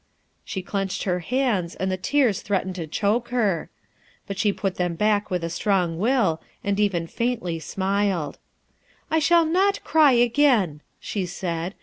She clenched her hands, and the tears threat ened to choke her; but she put them back with a strong will, and even faintly smiled, 11 1 shall not cry again/' she said.